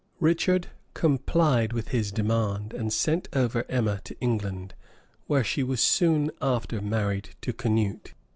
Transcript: Richard complied with his demand, and sent over Emma to England, where she was soon after married to Canute.